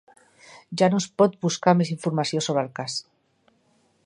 Ja no es pot buscar més informació sobre el cas.